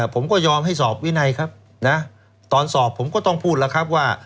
ผมก็ยอมให้สอบวินัยครับนะตอนสอบผมก็ต้องพูดแล้วครับว่า